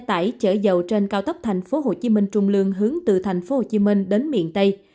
xe tải chở dầu trên cao tốc thành phố hồ chí minh trung lương hướng từ thành phố hồ chí minh đến miền tây